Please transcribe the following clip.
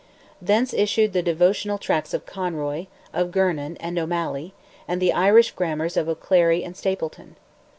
Thence issued the devotional tracts of Conroy, of Gernon, and O'Molloy, and the Irish grammars of O'Clery and Stapleton.